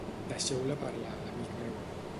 Deixeu-la parlar, amic meu.